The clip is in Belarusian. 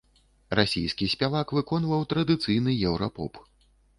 Расійскі спявак выконваў традыцыйны еўра-поп.